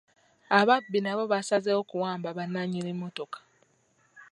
Ababbi nabo basazeewo kuwamba bannannnyini mmotoka.